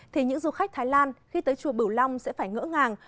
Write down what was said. thì những du khách thái lan khi tới chùa bửu long sẽ phải ngỡ ngàng